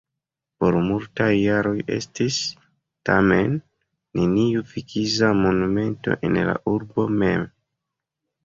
Por multaj jaroj estis, tamen, neniu fizika monumento en la urbo mem.